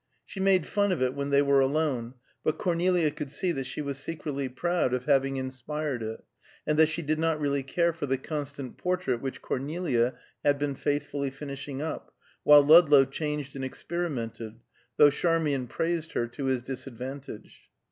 She made fun of it when they were alone, but Cornelia could see that she was secretly proud of having inspired it, and that she did not really care for the constant portrait which Cornelia had been faithfully finishing up, while Ludlow changed and experimented, though Charmian praised her to his disadvantage.